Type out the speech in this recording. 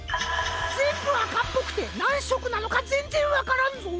ぜんぶあかっぽくてなんしょくなのかぜんぜんわからんぞ。